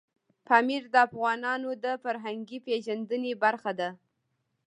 پامیر د افغانانو د فرهنګي پیژندنې برخه ده.